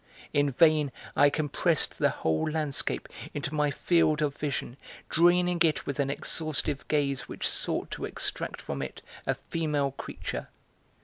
In vain I compressed the whole landscape into my field of vision, draining it with an exhaustive gaze which sought to extract from it a female creature.